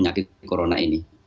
dari penyakit corona ini